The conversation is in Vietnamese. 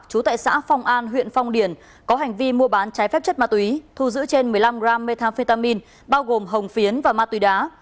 chú tại xã phong an huyện phong điền có hành vi mua bán trái phép chất ma túy